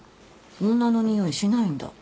女のにおいしないんだ。